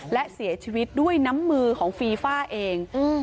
และเสียชีวิตด้วยน้ำมือของฟีฟ่าเอง